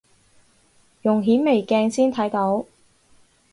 用顯微鏡先睇到